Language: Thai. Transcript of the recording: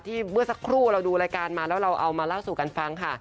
เมื่อสักครู่เราดูรายการมาแล้วเราเอามาเล่าสู่กันฟังค่ะ